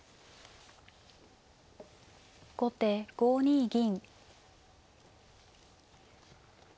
後手５二銀。